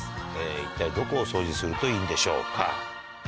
一体どこを掃除するといいんでしょうか？